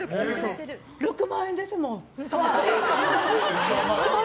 ６万円ですもん！